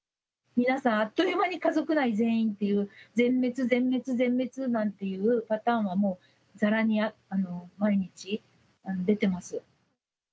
皆さん、あっという間に家族内全員っていう、全滅、全滅、全滅なんていうパターンは、もう、ざらに、毎日出てます。